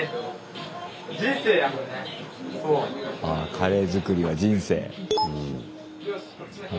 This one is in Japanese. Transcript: カレー作りは人生。